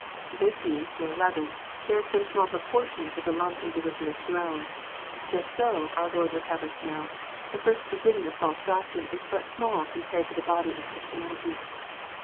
This yeast, or leaven, bears but a small proportion to the lump into which it is thrown ; just so, our Lord would have us know, the first beginning of false doctrine is but small compared to the body of Christianity.